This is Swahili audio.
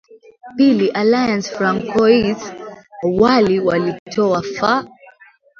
pili alliance francois wali walitoa fa